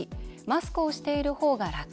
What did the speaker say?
マスクをしているほうが楽。